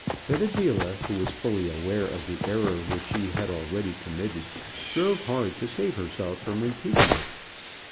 But Adela, who was fully aware of the error which she had already committed, strove hard to save herself from repeating it.